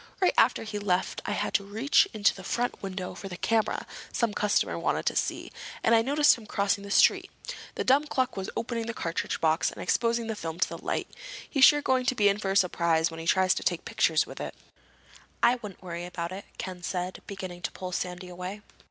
"Right after he left I had to reach into the front window for a camera some customer wanted to see, and I noticed him crossing the street. The dumb cluck was opening the cartridge box and exposing the film to the light! He's sure going to be in for a surprise when he tries to take pictures with it." "I wouldn't worry about it," Ken said, beginning to pull Sandy away.